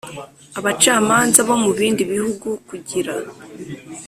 abacamanza bo mu bindi bihugu kugira